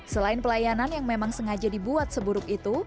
selain pelayanan yang memang sengaja dibuat seburuk itu